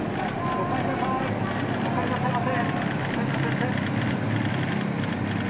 おかえりなさいませ。